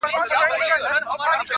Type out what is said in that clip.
خاطر آفریدی